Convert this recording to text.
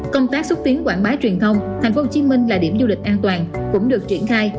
công tác xúc tiến quảng bá truyền thông tp hcm là điểm du lịch an toàn cũng được triển khai